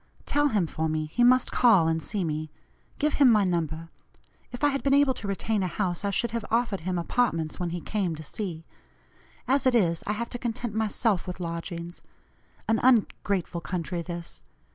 Tell him, for me, he must call and see me; give him my number. If I had been able to retain a house, I should have offered him apartments when he came to C.; as it is, I have to content myself with lodgings. An ungrateful country this!